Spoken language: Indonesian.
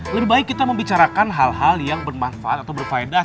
lebih baik kita membicarakan hal hal yang bermanfaat atau berfaedah